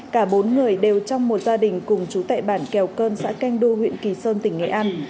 cả bốn người đều trong một gia đình cùng chú tại bản kèo cơn xã canh du huyện kỳ sơn tỉnh nghệ an